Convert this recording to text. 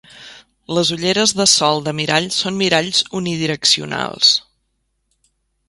Les ulleres de sol de mirall són miralls unidireccionals.